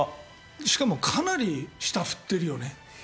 しかもかなり下、振ってるよね。